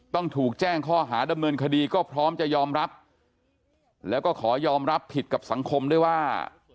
ต้องถูกแจ้งข้อหาดำเนินคดีก็พร้อมจะยอมรับแล้วก็ขอยอมรับผิดกับสังคมด้วยว่า